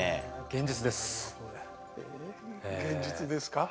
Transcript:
現実ですか。